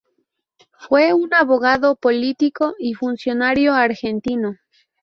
Fue un abogado, político y funcionario argentino.